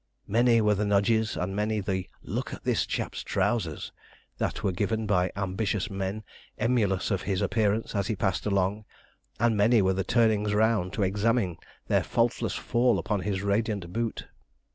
Many were the nudges, and many the 'look at this chap's trousers,' that were given by ambitious men emulous of his appearance as he passed along, and many were the turnings round to examine their faultless fall upon his radiant boot.